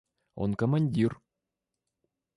– Он командир.